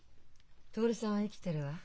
徹さんは生きてるわ。